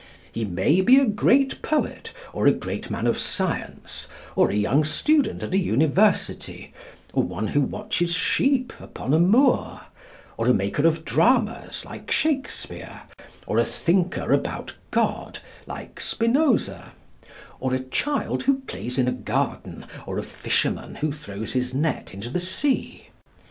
He may be a great poet, or a great man of science; or a young student at a University, or one who watches sheep upon a moor; or a maker of dramas, like Shakespeare, or a thinker about God, like Spinoza; or a child who plays in a garden, or a fisherman who throws his net into the sea.